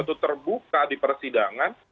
itu terbuka di persidangan